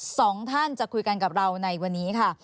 สองท่านจะคุยกันกับเราในวันนี้ค่ะ